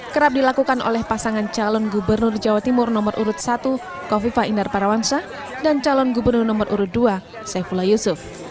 kerap dilakukan oleh pasangan calon gubernur jawa timur nomor urut satu kofifa indar parawansa dan calon gubernur nomor urut dua saifullah yusuf